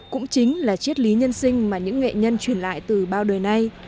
cũng chính là triết lý nhân sinh mà những nghệ nhân truyền lại từ bao đời nay